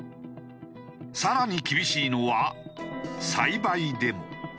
更に厳しいのは栽培でも。